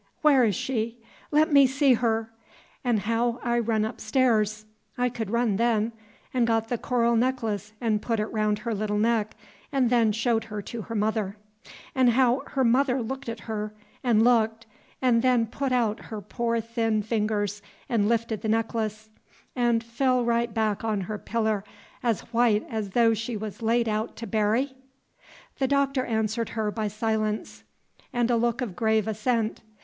where is she? Let me see her! ' 'n' how I run up stairs, I could run then, 'n' got the coral necklace 'n' put it round her little neck, 'n' then showed her to her mother, 'n' how her mother looked at her, 'n' looked, 'n' then put out her poor thin fingers 'n' lifted the necklace, 'n' fell right back on her piller, as white as though she was laid out to bury?" The Doctor answered her by silence and a look of grave assent.